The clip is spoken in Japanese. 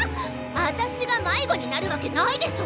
あたしが迷子になるわけないでしょ？